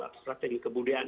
atau strategi kebudayaan